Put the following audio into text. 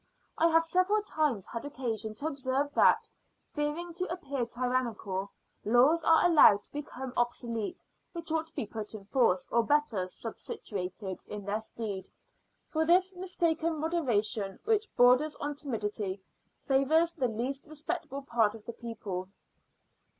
I have several times had occasion to observe that, fearing to appear tyrannical, laws are allowed to become obsolete which ought to be put in force or better substituted in their stead; for this mistaken moderation, which borders on timidity, favours the least respectable part of the people.